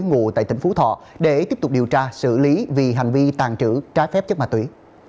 ngủ tại tỉnh phú thọ để tiếp tục điều tra xử lý vì hành vi tàn trữ trái phép chất mạ tuy